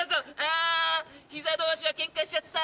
あ膝同士がケンカしちゃった。